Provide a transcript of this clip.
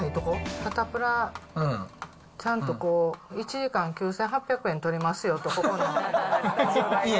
サタプラ、ちゃんとこう、１時間９８００円取りますよと、ここの。